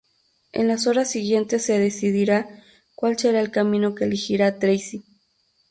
En las horas siguientes se decidirá cual será el camino que elegirá "Tracy".